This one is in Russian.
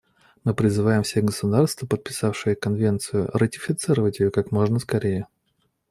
Мы призываем все государства, подписавшие Конвенцию, ратифицировать ее как можно скорее.